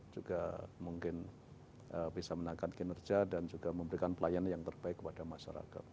juga mungkin bisa menangkan kinerja dan juga memberikan pelayanan yang terbaik kepada masyarakat